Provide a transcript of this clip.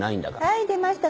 はい出ました